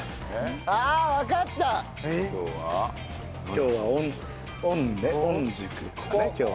今日はおん御宿ですかね今日は。